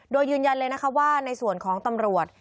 โดยยืนยันเลยนะคะว่าในส่วนของตำรวจ